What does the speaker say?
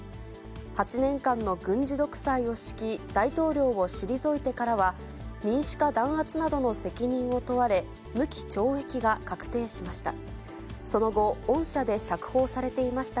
８年間の軍事独裁を敷き、大統領を退いてからは、民主化弾圧などの責任を問われ、無期懲役が確定しました。